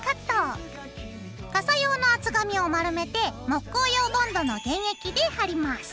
傘用の厚紙を丸めて木工用ボンドの原液で貼ります。